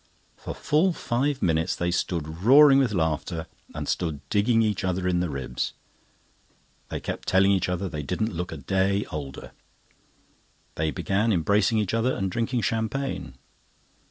For full five minutes they stood roaring with laughter, and stood digging each other in the ribs. They kept telling each other they didn't look a day older. They began embracing each other and drinking champagne.